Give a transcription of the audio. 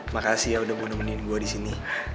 makasih ya udah gue nemenin gue di sini